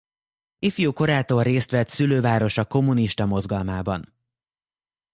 Ifjúkorától részt vett szülővárosa kommunista mozgalmában.